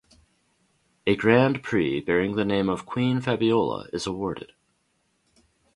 A Grand Prix bearing the name of Queen Fabiola is awarded.